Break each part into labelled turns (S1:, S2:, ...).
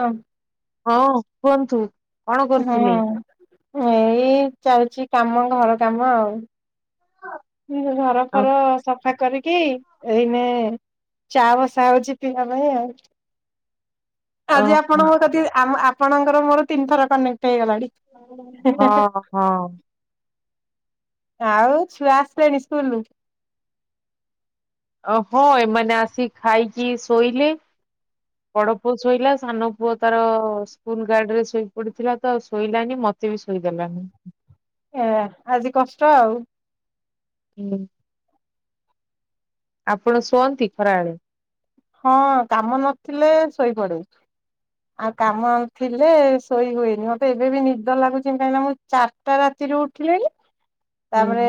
S1: ହଁ।
S2: ହଁ କୁହନ୍ତୁ। କଣ
S1: ହଁ
S2: କରୁଥିଲେ?
S1: ଏଇ ଚାଲଚି କାମ ଘର କାମ ଆଉ। ନିଜ ଘର ଫର
S2: ଓହୋ
S1: ସଫା କରିକି ଏଇନେ ଚା ବସା ହଉଚି ପିଇବା ପାଇଁ ଆଉ। ଆଜି
S2: ଓହୋ।
S1: ଆପଣ ସାଥୀ ଆମ ଆପଣଙ୍କର ମୋର ତିନି ଥର କନେକ୍ଟ ହେଇଗଲାଣି।
S2: ହଁ ହଁ।
S1: ଆଉ ଛୁଆ ଆସିଲେଣି ସ୍କୁଲରୁ।
S2: ଅ ହଁ ଏମାନେ ଆସିିକି ଖାଇକି ଶୋଇଲେ। ବଡ ପୁଅ ଶୋଇଲା, ସାନ ପୁଅ ତାର ସ୍କୁଲ ଗାଡିରେ ଶୋଇ ପଡିଥିଲା ତ ଶୋଇଲାନି, ମ ତେ ବି ଶୋଇ ଦେଲାନି।
S1: ଏ ଆଜି କଷ୍ଟ ଆଉ।
S2: ହୁଁ ଆପଣ ଶୁଅନ୍ତି ଖରାବେଳେ?
S1: ହଁ କାମ ନଥିଲେ ଶୋଇପଡେ।
S2: ହ
S1: ଆଉ କାମ ଆଉ ଥିଲେ ଶୋଇ ହୁଏନି ମତେ ଏବେ ବି ନିଦ ଲାଗୁଚି କାହିଁକିନା ମୁଁ ଚାରିଟା ରାତିରୁ ଉଠିଲିଣି।
S2: ହୁଁ।
S1: ତାପରେ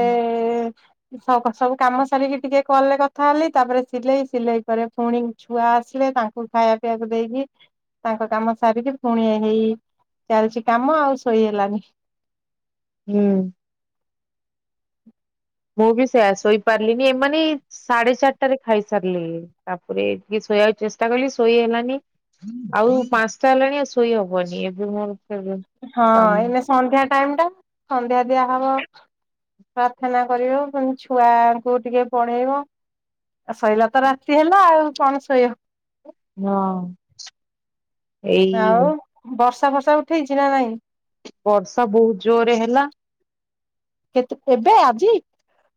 S1: ସକ ସବୁ କାମ ସାରିକି ଟିକେ କଲ୍ ରେ କଥା ହେଲି ତାପରେ ସିଲେଇ, ସିଲେଇ ପରେ ଫୁଣି ଛୁଆ ଆସିଲେ ତାଙ୍କୁ ଖାଇବା ପିଇବାକୁ ଦେଇକି ତାଙ୍କ କାମ ସାରିକି ଫୁଣି ହେଇ ଚାଲିଚି କାମ ଆଉ ଶୋଇ ହେଲାନି।
S2: ହୁଁ। ମୁଁ ବି ସେଇଆ ଶୋଇ ପାରିଲିନି ଏମାନେ ସାଢେ ଚାରିଟାରେ ଖାଇସାରିଲେ ଇଏ, ତାପରେ ଟିକେ ଶୋଇବାକୁ ଚେଷ୍ଟା କଲି ଶୋଇ ହେଲାନି। ଆଉ ପାଞ୍ଚଟା ହେଲାଣି ଆଉ ଶୋଇ ହବନି, ଏବେ ମୋର ଫେରେ
S1: ହଁ
S2: କାମ
S1: ଏଇନେ ସନ୍ଧ୍ୟା ଟାଇମ ଟା ସନ୍ଧ୍ୟା ଦିଆହବ ପ୍ରାର୍ଥନା କରିବ ପୁଣି ଛୁଆଙ୍କୁ ଟିକେ ପଢେଇବ। ଆ ସଇଲା ତ ରାତି ହେଲା ଆଉ କଣ ଶୋଇବ।
S2: ହଁ। ଏଇ
S1: ଆଉ ବର୍ଷା ଫର୍ଷା ଉଠେଇଚି ନା ନାଇଁ?
S2: ବର୍ଷା ବହୁତ ଜୋରେ ହେଲା।
S1: କେତେ ଏବେ ଆଜି?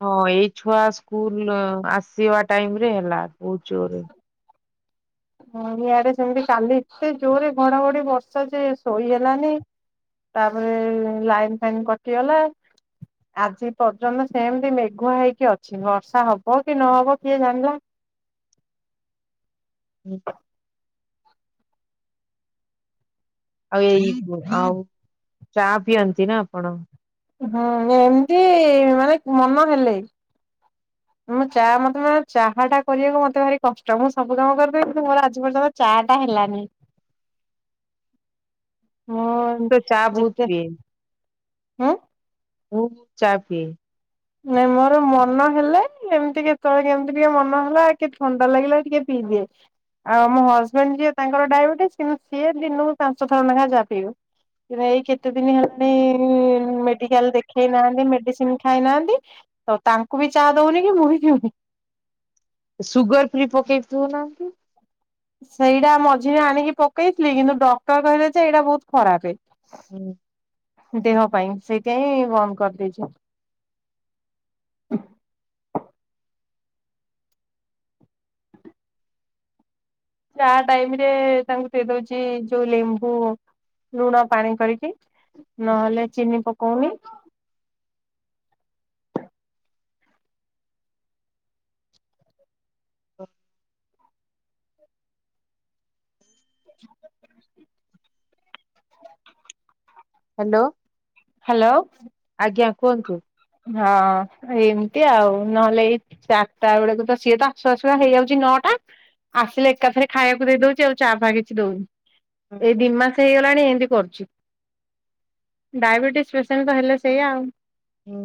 S2: ହଁ ଏଇ ଛୁଆ ସ୍କୁଲ ଆସିବା ଟାଇମରେ ହେଲା ବହୁତ ଜୋରେ।
S1: ହଁ ଇଆଡେ ସେମତି କାଲି ଏତେ ଜୋରେ ଘଡାଘଡି ବର୍ଷା ଯେ ଶୋଇ ହେଲାନି। ତାପରେ ଲାଇନ ଫାଇନ୍ କଟିଗଲା। ଆଜି ପର୍ଯ୍ୟନ୍ତ ସେମିତି ମେଘୁଆ ହେଇକି ଅଛି ବର୍ଷା ହବ କି ନହବ କିଏ ଜାଣିଲା।
S2: ହୁଁ। ଆଉ ଏଇ ଆଉ ଚା ପିଅନ୍ତି ନା ଆପଣ?
S1: ହଁ ଏମିତି ମାନେ ମନ ହେଲେ। ମୁଁ ଚା ମତେ ମାନେ ଚାହାଟା କରିବାକୁ ମତେ ଭାରି କଷ୍ଟ, ମୁଁ ସବୁ କାମ କରିଦେବି କିନ୍ତୁ ମୋର ଆଜି ପର୍ଯ୍ୟନ୍ତ ଚା ଟା ହେଲାନି। ମୋର
S2: ତ ଚା ବହୁତ ପିଏ।
S1: ହୁଁ।
S2: ମୁଁ ଚା ପିଏ।
S1: ନାଇଁ ମୋର ମନ ହେଲେ ଏମତି କେତେବେଳେ କେମତି ଟିକେ ମନ ହେଲା କି ଥଣ୍ଡା ଲାଗିଲା ଟିକେ ପିଇ ଦିଏ। ଆଉ ମୋ ହଜବେଣ୍ଡ ଯିଏ ତାଙ୍କର ଡାଇବେଟିସ୍ କିନ୍ତୁ ସିଏ ଦିନୁକୁ ପାଞ୍ଚଥର ଲେଖା ଚା ପିଇବେ। କି ଭାଇ କେତେ ଦିନ ହେଲାଣି ମେଡିକାଲ ଦେଖେଇ ନାହାନ୍ତି ମେଡିସିନ ଖାଇ ନାହାନ୍ତି। ତ ତାଙ୍କୁ ବି ଚା ଦଉନି କି ମୁଁ ବି ପିଉନି।
S2: ସୁଗର ଫ୍ରି ପକେଇ ପିଉନାହାନ୍ତି।
S1: ସେଇଟା ମଝିରେ ଆଣିକି ପକେଇଥିଲି କିନ୍ତୁ ଡକ୍ଟର କହିଲେ ଯେ ଏଇଟା ବହୁତ ଖରାପେ। ଦେହ ପାଇଁ ସେଇଥିଆଇଁ ବନ୍ଦ କରିଦେଇଚି। ଚା ଟାଇମ ରେ ତାଙ୍କୁ ଦେଇ ଦଉଚି ଯୋଉ ଲେମ୍ବୁ ଲୁଣ ପାଣି କରିକି। ନହେଲେ ଚିନି ପକଉନି ‌।
S2: [unintelligible]
S1: [inaudible]
S2: ହାଲୋ।
S1: ହାଲୋ
S2: ଆଜ୍ଞା କୁହନ୍ତୁ।
S1: ହଁ ଏମତି ଆଉ ନହଲେ ଏଇ ‌। ଚାରଟା ବେଳକୁ ତ ସିଏ ତ ଆସୁ ଆସୁକା ହେଇଯାଉଚି ନଅଟା। ଆସିଲେ ଏକାଥରେ ଖାଇବାକୁ ଦେଇ ଦଉଚି ଆଉ ଚା ଫା କିଛି ଦଉନି ଏଇ ଦି ମାସ ହେଇଗଲା ଗଲାଣି ଏମିତି କରୁଚି ଡାଇବେଟିସ ପେସେଣ୍ଟ ତ ହେଲେ ସେଇଆ ଆଉ।
S2: ହୁଁ।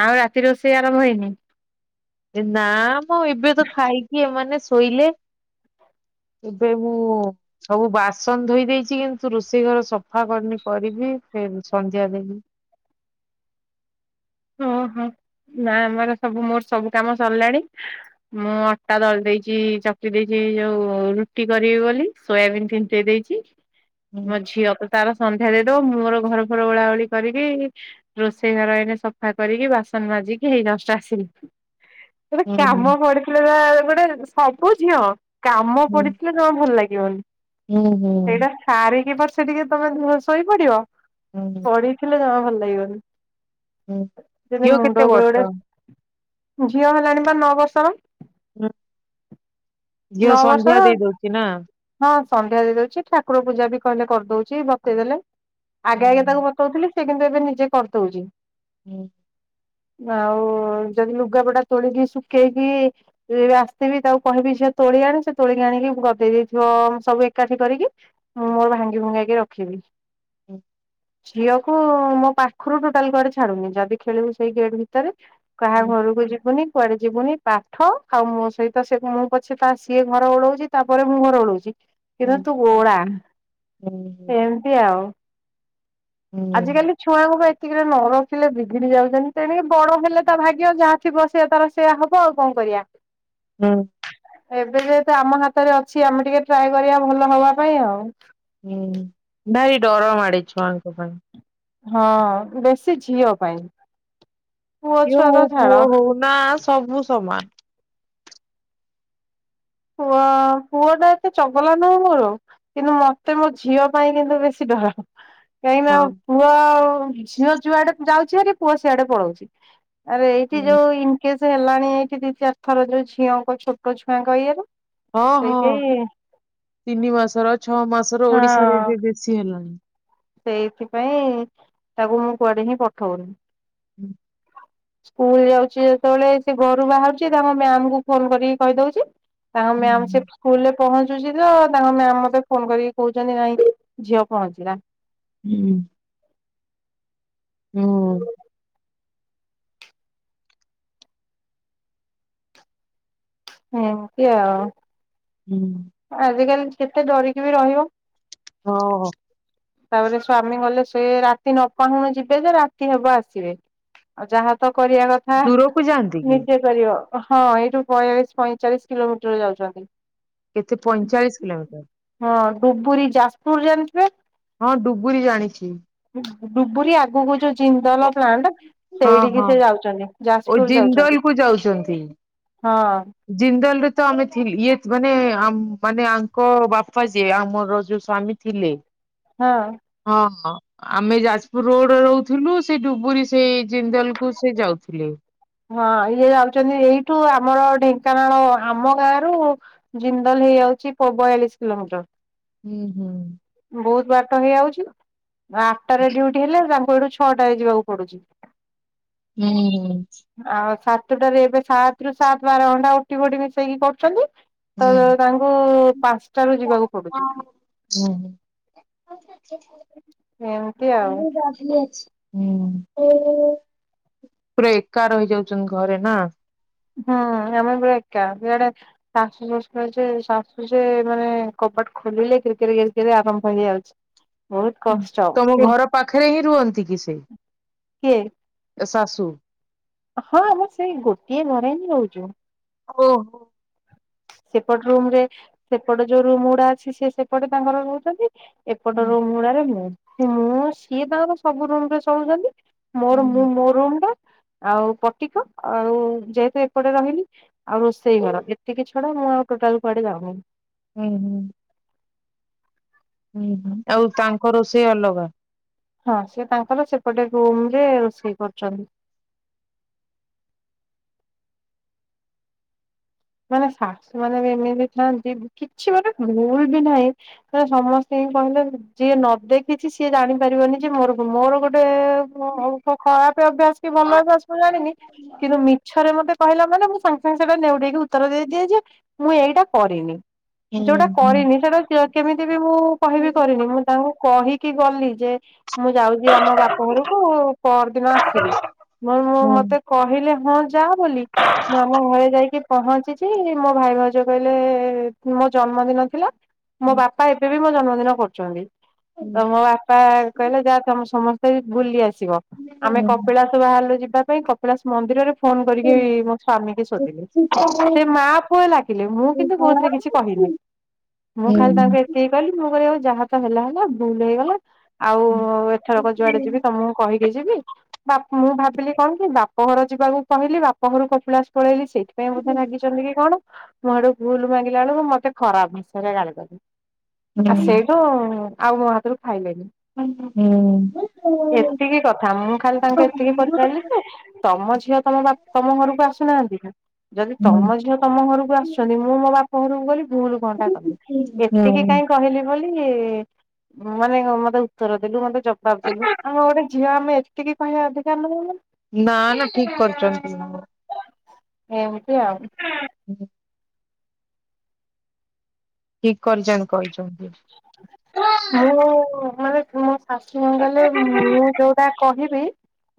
S1: ଆଉ ରାତି ରୋଷେଇ ଆରମ୍ଭ ହେଇନି ‌।
S2: ନା ମ ଏବେ ତ ଖାଇକି ଏମାନେ ଶୋଇଲେ ‌। ଏବେ ମୁଁ। ସବୁ ବାସନ ଧୋଇ ଦେଇଚି କିନ୍ତୁ ରୋଷେଇ ଘର ସଫା କରିନି କରିବି ଫେରେ ସନ୍ଧ୍ୟା ଦେବି।
S1: ଓହୋ ନା ଆମର ସବୁ ମୋର ସବୁ କାମ ସରିଲାଣି। ମୁଁ ଅଟା ଦଳି ଦେଇଛି ଚକଟି ଦେଇଛି ଯୋଉ ରୁଟି କରିବି ବୋଲି ସୋୟାବିନ୍ ତିନ୍ତେଇ ଦେଇଛି ‌। ମୋ
S2: ହୁଁ
S1: ଝିଅ କୁ ତାର ସନ୍ଧ୍ୟା ଦେଇଦବ ମୁଁ ମୋର ଘର ଫର ଓଳାଉଳି କରିକି ରୋଷେଇ ଘର ଏଇନେ ସ ସଫା କରିକି ବାସନ ମାଜିକି ହେଇ ଯଷ୍ଟ ଆସିଲି ମତେ
S2: ହୁଁ
S1: କାମ ପଡି ଥିଲେ ବା ଗୋଟେ ସବୁ ଝିଅ। କାମ
S2: ହୁଁ
S1: ପଡିଥିଲେ ଯମା ଭଲ ଲାଗିବନି
S2: ହୁଁ ହୁଁ
S1: ସେଇଟା। ସାରିକି ପଛେ ଟିକେ ତମେ ଧୁ ଶୋଇ ପଡିବ।
S2: ହୁଁ।
S1: ପଢିଥିଲେ ଜମା ଭଲ ଲାଗିବନି।
S2: ହୁଁ
S1: ଯମତି
S2: ଝିଅ କେତେ
S1: ମୁଣ୍ଡ ଉପରେ ଗୋଟେ
S2: ବର୍ଷ
S1: ଝିଅ ହେଲାଣି ବା ନଅ ବର୍ଷର।
S2: ହୁଁ। ଝିଅ
S1: ନଅ ବର୍ଷର
S2: ସନ୍ଧ୍ୟା
S1: ‌।
S2: ଦେଇ ଦଉଛି ନା।
S1: ହଁ ସନ୍ଧ୍ୟା ଦେଇ ଦଉଛି ଠାକୁର ପୂଜା ବି କହିଲେ କରି ଦଉଛି ବତେଇଦେଲେ।
S2: ହୁଁ
S1: ଆଗେ ଆଗେ ତାକୁ ବତଉଥିଲି ସେ କିନ୍ତୁ ଏବେ ନିଜେ କରିଦଉଛି।
S2: ହୁଁ।
S1: ଆଉ ଯଦି ଲୁଗାପଡା ତୋଳିକି ଶୁଖେଇକି। ଯଦି ଆସଥିବି ତାକୁ କହିବି ଝିଅ। ତୋଳି ଆଣେ ସେ ତୋଳିକି ଆଣିକି ଗଦେଇ ଦେଇଥିବ ସବୁ ଏକାଠି କରିକି। ମୁଁ ମୋର ଭାଙ୍ଗି ଭୁଙ୍ଗିକି ରଖିବି।
S2: ଉଁ।
S1: ଝିଅକୁ ମୋ ପାଖରୁ ଟୋଟାଲ କୁଗଡେ ଛାଡୁନି ଯଦି ଖେଳିବୁ ସେଇ ଗେଟ୍ ଭିତରେ। କାହା
S2: ହୁଁ
S1: ଘରକୁ ଯିବୁନି କୁଆଡେ ଯିବୁନି ପାଠ ଆଉ ମୋ ସହିତ ସେ ମୁଁ ଛେ ତା ସିଏ ଘର ଓଳଉଛି ତାପରେ ମୁଁ ଘର ଓଳଉଛି।
S2: ହୁଁ
S1: କିନ୍ତୁ ତୁ ଓଳା‌
S2: ହୁଁ
S1: ଏମିତି ଆଉ।
S2: ହୁଁ
S1: ଆଜିକାଲି ଛୁଆଙ୍କୁ ବି ଏତିକିରେ ନ ରଖିଲେ ବିଗିଡି ଯାଉଛନ୍ତି ତେଣିକି ବଡ ହେଲେ ତା ଭାଗ୍ୟ ଯାହା। ଥୀବ ସେ ତାର ସେଆ ହବ ଆଉ କଣ କରିବା।
S2: ହଁ।
S1: ଏବେ ଯେହେତୁ ଆମ ହାତରେ ଅଛି, ଆମେ ଟିକେ ଟ୍ରାଏ କରିବା ଭଲ ହବା ପାଇଁ ଆଉ।
S2: ହୁଁ ଭାରି ଡର ମାଡେ ଛୁଆଙ୍କ ପାଇଁ।
S1: ହଁ ବେଶୀ ଝିଅ ପାଇଁ। ପୁଅ
S2: ଝିଅ
S1: ଛୁଆ
S2: ହଉ
S1: ତ ଛାଡ
S2: ପୁଅ ହଉ ନା ସବୁ ସମାନ।
S1: ପୁଅ ପୁଅଟା ଏତେ ଚଗଲା ନା ମୋର। କିନ୍ତୁ ମତେ ମୋ ଝିଅ ପାଇଁ କିନ୍ତୁ ବେଶୀ ଡର। କାଇଁନା
S2: ହଁ
S1: ପୁଅ ଆଉ ଝିଅ ଯୁଆଡେ ଯାଉଛି ହେରି ପୁଅ ସିଆଡେ ପଳଉଛି। ଆରେ ଏଇଠି
S2: ହୁଁ
S1: ଯୋଉ ଇନକେସ୍ ହେଲାଣି, ଏଇଠି ଦି ଚାରିଥର ଯୋଉ ଝିଅଙ୍କ ଛୋଟ ଛୁଆଙ୍କ ଇଏରୁ
S2: ହଁ ହଁ ତିନି ମାସର, ଛଅ ମାସର
S1: ହଁ
S2: ଓଡିଶାରେ ଏବେ ବେଶୀ ହେଲାଣି।
S1: ସେଇଥିପାଇଁ ତାକୁ ମୁଁ କୁଆଡେ ହିଁ ପଠଉନି।
S2: ହୁଁ।
S1: ସ୍କୁଲ ଯାଉଛି ଯେତେବେଳେ ସେ ଘରୁ ବାହାରୁଛି ତାଙ୍କ ମ୍ୟାମଙ୍କୁ ଫୋନ କରିକି କହିଦଉଚି। ତାଙ୍କ ମ୍ୟାମ ସେ ସ୍କୁଲରେ ପହଞ୍ଚୁଚି ତ ତାଙ୍କ ମ୍ୟାମ ମତେ ଫୋନ କରିକି କହୁଛନ୍ତି ନାଇଁ ଝିଅ ପହଞ୍ଚିଲା।
S2: ହୁଁ। ଆଉ।
S1: ଏମତି ଆଉ।
S2: ହୁଁ।
S1: ଆଜିକାଲି କେତେ ଡରିକି ବି ରହିବ।
S2: ହଁ।
S1: ତାପରେ ସ୍ଵାମୀ ଗଲେ ସିଏ ରାତି ନ ପାହୁଣୁ ଯିବେ ଯେ, ରାତି ହେବ ଆସିବେ। ଆଉ ଯାହା ତ କରିଆ କ ଥା
S2: ଦୂରକୁ ଯାଆନ୍ତି କି
S1: ନିଜେ କରିବ, ହଁ ଏଇଠୁ ବୟାଳିଶ ପଇଁଚାଳିଶ କିଲୋମିଟର ଯାଉଛନ୍ତି।
S2: କେତେ ପଇଁଚାଳିଶ କିଲୋମିଟର।
S1: ହଁ ଡୁବୁରୀ ଯାଜପୁର ଜାଣିଥିବେ?
S2: ହଁ ଡୁବୁରୀ ଜାଣିଚି।
S1: ଡୁବୁରି ଆଗୁକୁ ଯୋଉ ଜିନ୍ଦଲ ପ୍ଲାଣ୍ଟ
S2: ହଁ
S1: ସେଇଠିକି
S2: ହଁ।
S1: ସେ ଯାଉଛନ୍ତି।
S2: ଓ
S1: ଯାଜପୁର ଯାଉଛନ୍ତି
S2: ଜିନ୍ଦଲକୁ ଯାଉଛନ୍ତି।
S1: ହଁ
S2: ଜିନ୍ଦଲରେ ତ ଆମେ ଥିଲ ଇଏ ମାନେ ଆମ ମାନେ ଆଙ୍କ ବାପା ଯିଏ ଆମର ଯୋଉ ସ୍ୱାମୀ ଥିଲେ।
S1: ହଁ।
S2: ହଁ ହଁ। ଆମେ ଯାଜପୁର ରୋଡରେ ରହୁଥିଲୁ, ସେ ଡୁବୁରୀ ସେଇ ଜିନ୍ଦଲକୁ ସେ ଯାଉଥିଲେ।
S1: ହଁ ଇଏ ଯାଉଛନ୍ତି ଏଇଠୁ ଆମର ଢେଙ୍କାନାଳ ଆମ ଗାଁରୁ ଜିନ୍ଦଲ ହେଇଯାଉଚି ବୟାଳିଶ କିଲୋମିଟର।
S2: ଉ ହୁଁ।
S1: ବହୁତ ବାଟ ହେଇଯାଉଚି, ଆଠଟାରେ ଡିଉଟି ହେଲେ ତାଙ୍କୁ ଏଠୁ ଛଅଟାରେ ଯିବାକୁ ପଡୁଚି।
S2: ହୁଁ।
S1: ଆଉ ସାତଟାରେ ଏବେ ସାତ ରୁ ସାତ ବାର ଘଣ୍ଟା ଓ ଟି ଫୋଟି ମିଶେଇକି କରୁଚନ୍ତି। ତ
S2: ହୁଁ
S1: ତାଙ୍କୁ ପାଞ୍ଚଟାରୁ ଯିବାକୁ ପଡୁଚି।
S2: ଉ ହୁଁ।
S1: ଏମିତି ଆଉ
S2: ପୁରା ଏକା ରହିଯାଉଛନ୍ତି ଘରେ ନା?
S1: ହଁ [unintelligible] ଏକା ଇଆଡେ ଶାଶୂ ଶଶୁର ଯେ, ଶାଶୂ ଯେ ମାନେ କବାଟ ଖୋଲିଲେ କେର-କେର-କେର ଆରମ୍ଭ ହେଇଯାଉଚି।
S2: ତମ ଘର ପାଖରେ ହିଁ ରୁହନ୍ତି କି ସେ?
S1: କିଏ?
S2: ଶାଶୁ?
S1: ହଁ ଆମେ ସେଇ ଗୋଟିଏ ଘରେ ହିଁ ରହୁଚୁ।
S2: ଓ।
S1: ସେପଟ ରୁମ୍ ରେ ସେପଟ ଯୋଉ ରୁମ ଗୁଡା ଅଛି ସେ ସେପଟେ ତାଙ୍କର ରହୁଛନ୍ତି। ଏପଟ
S2: ହୁଁ
S1: ରୁମ ଗୁଡାରେ ମୁ ମୁଁ ସିଏ ତାଙ୍କର ସବୁ ରୁମରେ ଚଳୁଛନ୍ତି। ମୋର
S2: ହୁଁ
S1: ମୁଁ ମୋ ରୁମ୍ ର। ଆଉ ପଟିକ ଆଉ ଯେହେତୁ ଏପଟେ ରହିଲି ଆଉ ରୋଷେଇ ଘର ଏତେ କିଛି। ଛଡ ମୁଁ ଆଉ ଟୋଟାଲ କୁଆଡେ ଯିବିନି।
S2: ହୁଁ ହୁଁ। ହୁଁ ହୁଁ ଆଉ ତାଙ୍କ ରୋଷେଇ ଅଲଗା?
S1: ହଁ ସେ ତାଙ୍କର ସେପଟେ ରୁମ ରେ ରୋଷେଇ କରୁଛନ୍ତି। ମାନେ ଶାଶୁ ମାନେ ବି ଏମିତି ଥାନ୍ତି କିଛି ମାନେ ଭୁଲ ବି ନାହିଁ। କ ସମସ୍ତେ କହିଲେ ଯିଏ ନ ଦେଖିଚି ସିଏ ଜାଣିପାରିବନି ଯେ ମୋର ମୋର ଗୋଟେ ହ ହଉ ତ ଖରାପ ଅଭ୍ୟାସ କି ଭଲ ଅଭ୍ୟାସ ମୁଁ ଜାଣିନି କିନ୍ତୁ ମିଛରେ ମତେ କହିଲା ମାନେ ମୁଁ ସାଙ୍ଗେ ସାଙ୍ଗେ ସେଟା ନେଉଡେଇକି ଉତ୍ତର ଦେଇଦିଏ ଯେ ମୁଁ ଏଇଟା କରିନି।
S2: ହୁଁ
S1: ଯୋଉଟା
S2: ହୁଁ
S1: କରିନି ସେଟା କେମିତି ବି ମୁଁ କହିବି କରିନି ମୁଁ ତାଙ୍କୁ କହିି କି ଗଲି ଯେ ମୁଁ ଯାଉଚି ଆମ ବାପ ଘରକୁ ପରଦିନ ଆସିବି, ମୁ ମୁଁ
S2: ହୁଁ
S1: ମତେ କହିଲେ ହଁ ଯା ବୋଲି ମୁଁ ଆମ ଘରେ ଯାଇକି ପହଞ୍ଚିଚି ମୋ ଭାଇ ଭାଉଜ କହିଲେ ମୋ ଜନ୍ମ ଦିନ ଥିଲା, ମୋ ବାପା ବାପା ଏବେ ବି ମୋ ଜନ୍ମଦିନ କରୁଚନ୍ତି,
S2: ହୁଁ
S1: ତ ମୋ ବାପା [unintelligible] କହିଲା ଯାହା ତମେ ସମସ୍ତେ ବୁଲି ଆସିବ, ଆମେ କପିଳା ବା ଯିବା ପାଇଁ କପିଳାସ ମନ୍ଦିରରେ ଫୋନ କରିକି ମୋ ସ୍ଵାମୀ କି ଶୋଧିଲେ। ସେ ମା ପୁଅ ଲାଗିଲେ, ମୁଁ କିନ୍ତୁ କୋଉଥିରେ କିଛି କହିହନି ମୁଁ ଖାଲି ତାଙ୍କୁ ଏତେ କହିଲି ମୁଁ କହଲି ଯାହା ତ ହେଲା ହେଲା ଭୁଲ ହେଇଗଲା ଆଉ ଏଥରକ ଯୁଆଡେ ଯିବି ତମ କହିକି ଯିବି। ବା ମୁଁ ଭାବିଲି କଣ କି ବାପ ଘର ଯିବାକୁ କହିଲି ବାପଘରୁ କପିଳାସ ପଳେଇଲି ସେଇଥିପାଇଁ ମାଗିଛନ୍ତି କି କଣ ମୁଁ ହେଟୁ ଭୁଲ ମାଗିଲା ବେଳକୁ ମତେ ଖରାପ ଭାଷାରେ ଗାଳିଦେ ଆଉ
S2: ହୁଁ
S1: ସେଇଠୁ ଆଉ ମୋ ହାତରୁ ଖାଇଲେଣିି।
S2: ହୁଁ।
S1: ଏତିକି କଥା ମୁଁ ଖାଲି ତାଙ୍କୁ ଏତିକି ପଚାରିଲି ସେ ତମ ଝିଅ ତମ ବାପ ତମ ଘରକୁ ଆସୁନାହାନ୍ତି ନା। ଯଦି ତମ ଝିଅ ତମ ଘରକୁ ଆସୁଛନ୍ତି ମୁଁ ମୋ ବାପ ଘରକୁ ଗଲି। ଭୁଲ କଣ ଟା କଲି ଏତିକି କାଇହିଁ କହିଲି ମାନେ ମତେ ଉତ୍ତର ଦେଲୁ ମତେ ଜବାବ ଦେଲୁ ଆମ ଗୋଟେ ଝିଅ ଆମେ ଏତିକି କହିବା ଅଧିକାର ନୁହଁ।
S2: ନା ନା ଠିକ କରିଚନ୍ତି।
S1: ଏମିତି ଆଉ।
S2: ହଁ। ଠିକ କରିଚନ୍ତି କହିକି।
S1: ହଁ ମ [unintelligible] [unintelligible] ଗଲେ ମୁଁ ଯୋଉଟା କହିବି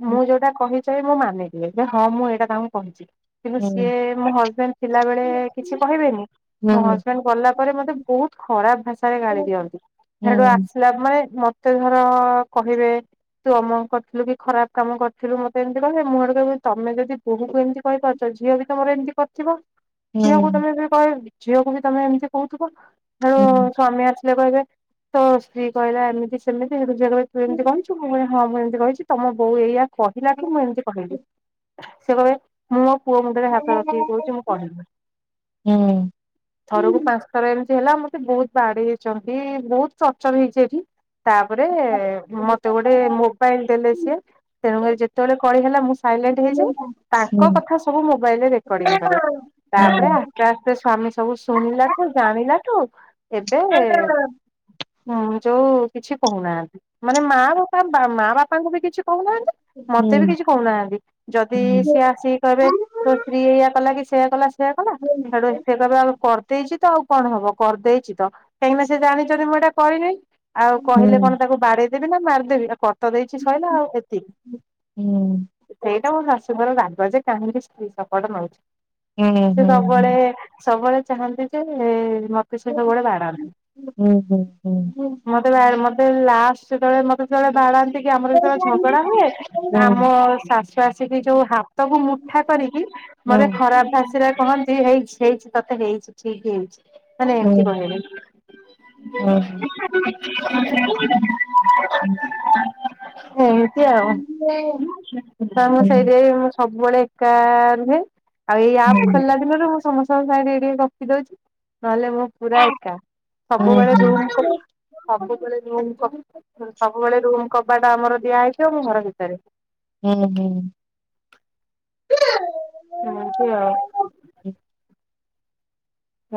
S2: ହୁଁ
S1: ମୁଁ ଯୋଉଟା କହିି ସେ ମୁଁ ମାନିଦିଏ ଯେ ହଁ ମୁଁ ଏଇଟା ତାଙ୍କୁ କହିଚି। କିନ୍ତୁ ସିଏ ମୋ ହଜବେଣ୍ଡ ଥିଲାବେଳେ କିଛି କହିବେନି, ମୋ
S2: ହୁଁ
S1: ହଜବେଣ୍ଡ ଗଲା ପରେ ମତେ ବୋହୁତ ଖରାପ ଭାଷାରେ ଗାଳି ଦିଅନ୍ତି, ସେଠୁ
S2: ହୁଁ
S1: ନା ମାନେ ମତେ ଧର କହିବେ ତୁ ଅମ କରିଥିଲୁ କି ଖରାପ କାମ କରିଥିଲୁ, ମତେ ଏମିତି କରିଥିଲୁ ମୁଁ ଆଡେ କହ ତମେ ଯଦି ବହୁ ତୁ ଏମିତି କହିରୁଥିବ ଝିଅ ବି ତମର ଏମିତି କରିଥିବ।
S2: ହୁଁ
S1: ଝିଅକୁ ତମେ ବି କହ ଝିଅକୁ ବି ତମେ ଏମିତି କୋହୁଥିବ।
S2: ହୁଁ।
S1: ସ୍ଵାମୀ ଆସିଲେ କହିବେ ତୋ ସ୍ତ୍ରୀ କହିଲା ଏମିତି। ସେମିତି ସେଠୁ ସେ କହିବେ ତୁ ଏମିତି କହିଚୁ ମୁଁ ହଁ ମୁଁ ଏମିତି କହିଛି ତମ ବୋଉ ଏଇଆ କହିଲାଠୁ ମୁଁ ଏମିତି କହିଲି ସେ କ ମୁଁ ମୋ ପୁଅ ମୁଣ୍ଡରେ ହାତ ରଖିକି କୋହୁଚି ମୁଁ କହିନି। ଥରକୁ ପାଞ୍ଚ ଥର ଏମିତି ହେଲା ମତେ ବହୁତ ବାଡି ହେଇଛନ୍ତି ବହୁତ ପ୍ରଚର ହେଇଛି ଏଠି ତାପରେ ମତେ ଗୋଟେ ମୋବାଇଲ ଦେଲେ ସିଏ ତେଣୁଙ୍ଗରି ଯେତେବେଳେ କଳି ହେଲା ମୁଁ ସାଇଲେଣ୍ଟ ହେଇଯିବି ତାଙ୍କ କଥା ସବୁ ମୋବାଇଲ ରେ ରେକର୍ଡିଙ୍ଗ କରେ ତାପରେ ରାେ ଆସ୍ତେ ସଵାମୀ ସବୁ ଶୁଣିଲାଠୁ ଜାଣିଲାଠୁ ଏବେ ହୁଁ ଯୋଉ କିଛି କହୁନାହାନ୍ତି ମାନେ ମା ବାପା ମା ବାପାଙ୍କୁ ବି କିଛି କହୁନାହାନ୍ତି ମତେ ବି କିଛି କହୁନାହାନ୍ତି ଯଦି ସିଏ ଆସିକି କହିବେ ତୋ ସ୍ତ୍ରୀ ଏଇୟଆ କଲା କି ସେଇୟଆ କଲା ଆ କଲା ସେଡୁ ଏ ସେ କବେ ଆଉ କରିଦେଇଛି ତ ଆଉ କଣ ହବ କରିଦେଇଛି ତ କାହିଁକିନା ସେ ଜାଣିଛନ୍ତି ମୁଁ ଏଇଟା କରିନି ଆଉ କହିଲେ କଣ ତାକୁ ବାଡେଇଦବି ନା ମାରିଦବି ତ ଦେଇଛି ଶୋଇଲା ଆଉ ଏତିକି ସେଇଟା ମୋ ଶାଶୁଘର ରାାଗ ଯେ କାହିଁକି ସ୍ ସପଟ ନଉଛି ସେ ସବୁବେଳେ ସବୁବେଳେ ଚାହାନ୍ତି ଯେ ମତ ସ ସ ଗୁଡେ ବାଡନ୍ତି ମତେ ଲାଷ୍ଟେଳେ ମତେଳେ ଭଡା ସେି ଆମର ଯେତେବେଳେ ଝଗଡା ହୁଏ ଆମ ଶାଶୁ ଆସିକି ଯୋଉ ସବୁ ମୁଠା କରିକି ମତେ ଖରାପ ଭାସ କହନ୍ତି ହେଇଛି ହେଇଛି ତତେ ହେଇଛି ଠିକ ହେଇଛି କହିଲି ହୁଁ ଆଉ ମୁଁ ସେଇଠଆ ମୁ ସବୁବେଳେ ଏକା ରୁହେ ଆଉ ଏଇ ଆପ୍ ଖୋଲିଲା ଦିନରୁ ମୁଁ ସମସ୍ତଙ୍କ ସାାଇ ଟିକେ ରଖି ଦଉଛି ନହେଲେ ମୁଁ ପୁରା ଏକା ସବୁବେଳେଉ। ସବୁବେଳେ ସବୁବେଳେ ରୁ କବାଟା ଆମର ଦିଆ ହେଇଯିବ ଘର ଭିତରେ।
S2: ହୁଁ ହୁଁ।
S1: ହୁଁ ସେଆଉ।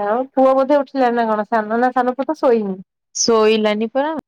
S1: ଆଉ ପୁଅ ବୋଧେ ଉଠିଲଣି ନା କଣ ସାନ ନା ସାନ ପୁ ତ ଶୋଇନି।
S2: ସୋଇିଲଣିି ପରା।